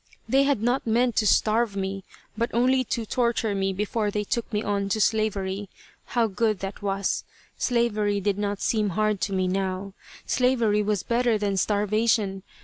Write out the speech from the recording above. They had not meant to starve me, but only to torture me before they took me on to slavery. How good that was. Slavery did not seem hard to me now. Slavery was better than starvation.